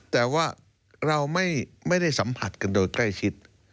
แต่ว่าเราไม่ได้สัมผัสกันโดยใกล้ชิด